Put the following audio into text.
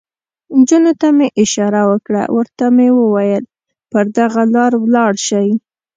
نجونو ته مې اشاره وکړه، ورته مې وویل: پر دغه لار ولاړ شئ.